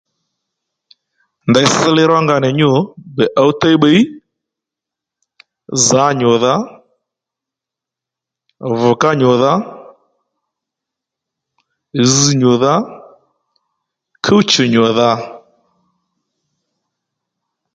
Ndèy ss li rónga nì nyû gbè ǒw tey bbiy zǎ nyùdha vùká nyùdha zz nyùdha kúwchù nyùdha